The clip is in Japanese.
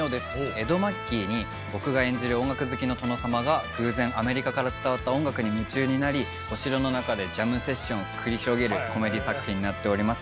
江戸末期に僕が演じる音楽好きの殿さまが偶然アメリカから伝わった音楽に夢中になりお城の中でジャムセッションを繰り広げるコメディー作品になっております。